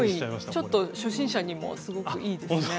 ちょっと初心者にもすごくいいですね。